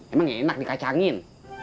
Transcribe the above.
emang enak dikacangin